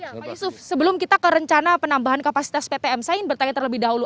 ya pak yusuf sebelum kita ke rencana penambahan kapasitas ptm saya ingin bertanya terlebih dahulu